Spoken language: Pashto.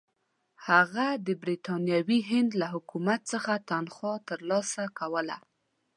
هغه د برټانوي هند له حکومت څخه تنخوا ترلاسه کوله.